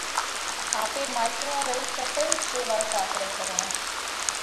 آپي مائيترون رئي ڪتئِي شيوا ساڪرئِي ڪرونه؟